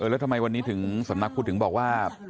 แล้วทำไมวันนี้ถึงสำนักพุทธถึงบอกว่า